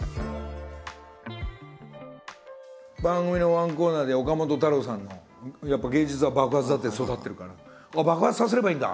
番組のワンコーナーで岡本太郎さんの「芸術は爆発だ！」で育ってるから爆発させればいいんだ！